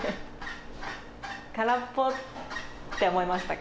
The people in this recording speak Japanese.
空っぽって思いましたか？